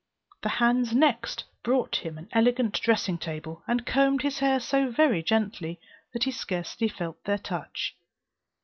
The hands next brought him an elegant dressing table, and combed his hair so very gently that he scarcely felt their touch.